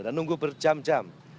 dan menunggu berjam jam